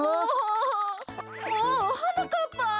おおはなかっぱ。